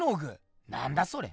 なんだそれ。